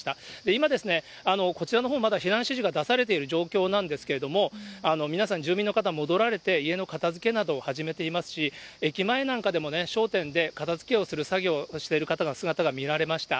今ですね、こちらのほう、まだ避難指示が出されている状況なんですけれども、皆さん、住民の方、戻られて、家の片づけなどを始めていますし、駅前なんかでも、商店で片づけをする、作業をしている方の姿が見られました。